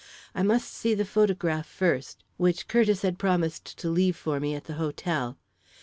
I must see the photograph, first, which Curtiss had promised to leave for me at the hotel.